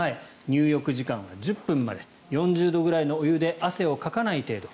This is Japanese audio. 入浴時間は１０分まで４０度くらいのお湯で汗をかかない程度。